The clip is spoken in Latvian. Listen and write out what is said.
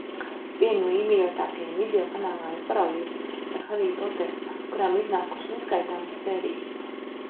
Vieni no iemīļotākajiem video kanālā ir parodijas par Hariju Poteru, kurām iznākušas neskaitāmas sērijas.